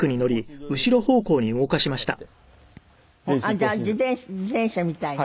じゃあ自転車みたいに？